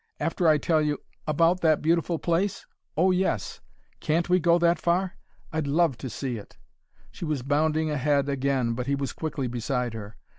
After I tell you " "About that beautiful place? Oh, yes! Can't we go that far? I'd love to see it!" She was bounding ahead again, but he was quickly beside her.